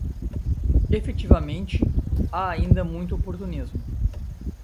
Efetivamente, há ainda muito oportunismo